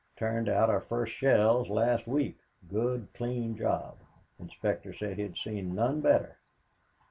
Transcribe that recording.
Turned out our first shells last week good clean job. Inspector said he'd seen none better.